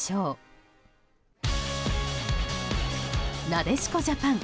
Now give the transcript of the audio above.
なでしこジャパン。